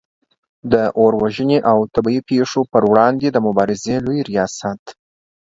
د اور وژنې او طبعې پیښو پر وړاندې د مبارزې لوي ریاست